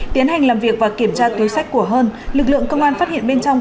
tiến hành làm việc và kiểm tra túi sách của hơn lực lượng công an phát hiện bên trong